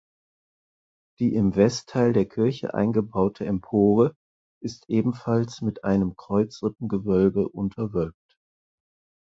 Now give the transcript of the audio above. Die im Westteil der Kirche eingebaute Empore ist ebenfalls mit einem Kreuzrippengewölbe unterwölbt.